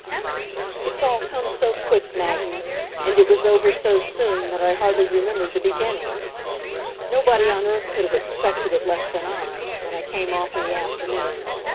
It's all come so quick, Maggie, and it was over so soon that I hardly remember the beginning. Nobody on earth could have expected it less than I, when I came off in the afternoon.